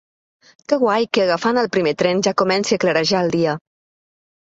Que guai que agafant el primer tren ja comenci a clarejar el dia.